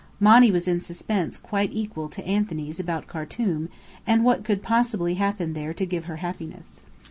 Monny was in suspense quite equal to Anthony's about Khartum, and what could possibly happen there to give her happiness.